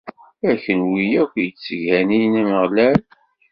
A kunwi akk yettganin Ameɣlal!